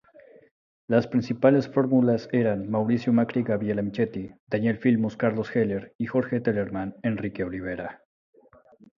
Los principales fórmulas eran Mauricio Macri-Gabriela Michetti, Daniel Filmus-Carlos Heller y Jorge Telerman-Enrique Olivera.